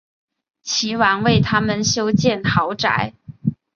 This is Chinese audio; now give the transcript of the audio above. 齐王为他们修建豪宅。